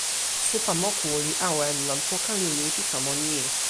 supa moku li awen lon poka lili pi tomo ni.